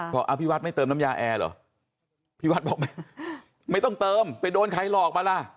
พอพี่วัดไม่เติมน้ำยาแอร์เหรอพี่วัดบอกไม่ต้องเติมไปโดนใครหลอกมาล่ะ